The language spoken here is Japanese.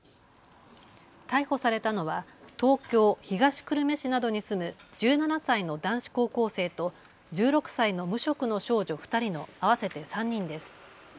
逮捕されたのは東京東久留米市などに住む１７歳の男子高校生と１６歳の無職の少女２人の合わせて３人です。